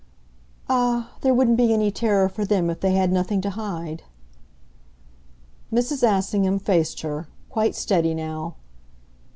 "Ah, there wouldn't be any terror for them if they had nothing to hide." Mrs. Assingham faced her quite steady now.